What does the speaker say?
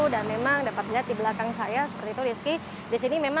dan memang dapat dilihat di belakang saya seperti itu rizky